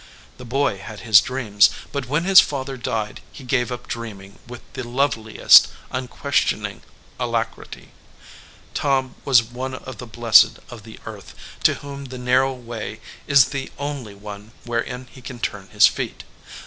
The boy had his dreams, but when his father died he gave up dreaming with the loveliest unquestioning alacrity. Tom was one of the blessed of the earth, to whom the narrow way is the only one wherein he can turn his feet.